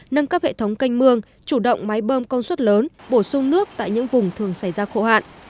nâng cấp hệ thống canh mương chủ động máy bơm công suất lớn bổ sung nước tại những vùng thường xảy ra khô hạn